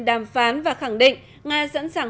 đàm phán và khẳng định nga sẵn sàng